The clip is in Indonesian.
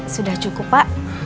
sudah cukup pak